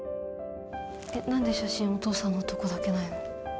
えっ何で写真お父さんのとこだけないの？